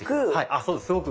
そうです。